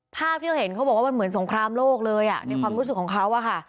ภาพที่เขาเห็นเขาบอกว่ามันเหมือนสงครามโลกเลยในความรู้สึกของเขาอะค่ะ